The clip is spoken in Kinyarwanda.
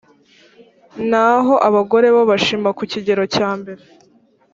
naho abagore bo bashima ku kigero cya mbere